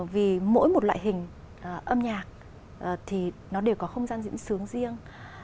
vì mỗi một loại hình âm nhạc thì nó đều có không gian diễn sướng riêng